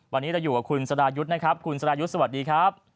วันนี้เราอยู่กับคุณสรายุทธ์นะครับคุณสรายุทธ์สวัสดีครับ